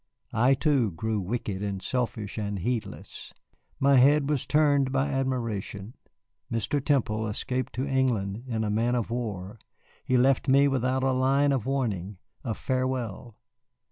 I, too, grew wicked and selfish and heedless. My head was turned by admiration. Mr. Temple escaped to England in a man of war; he left me without a line of warning, of farewell.